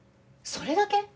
それだけ？